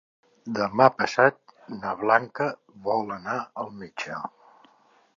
Demà passat na Blanca vol anar al metge.